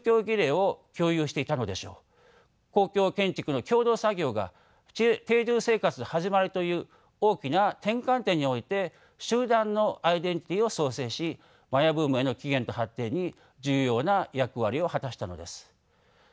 公共建築の共同作業が定住生活の始まりという大きな転換点において集団のアイデンティティーを創生しマヤ文明の起源と発展に重要な役割を果たしたのです。